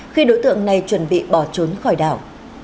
khi đối tượng này chuẩn bị bỏ trốn khỏi đảo